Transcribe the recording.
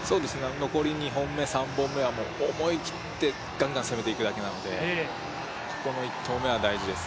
残り２本目、３本目は思い切ってガンガン攻めていくだけなのでここの１投目は大事です。